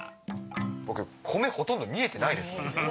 僕、米ほとんど見えてないです。